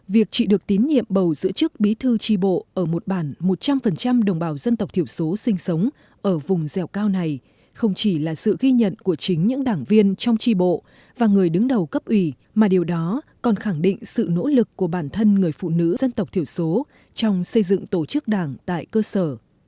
việc chị được tín nhiệm bầu giữ chức bí thư tri bộ ở một bản một trăm linh đồng bào dân tộc thiểu số sinh sống ở vùng dẻo cao này không chỉ là sự ghi nhận của chính những đảng viên trong tri bộ và người đứng đầu cấp ủy mà điều đó còn khẳng định sự nỗ lực của bản thân người phụ nữ dân tộc thiểu số trong xây dựng tổ chức đảng tại cơ sở